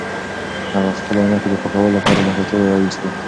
هغه خپلې عینکې د پاکولو لپاره له کڅوړې راویستې.